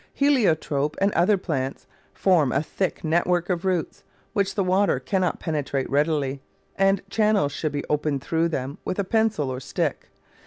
Heliotrope, and some other plants, form a thick network of roots, which the water cannot penetrate readily, and channels should be opened through them with a pencil or stick.